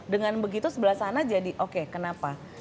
dengan begitu sebelah sana jadi oke kenapa